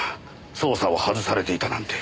捜査を外されていたなんて。